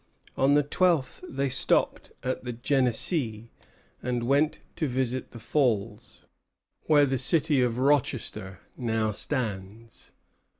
On the twelfth they stopped at the Genesee, and went to visit the Falls, where the city of Rochester now stands.